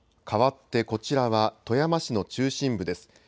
かわってこちらは富山市の中心部です。